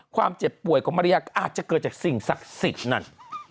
เจ็บป่วยของมารยาก็อาจจะเกิดจากสิ่งศักดิ์สิทธิ์นั่น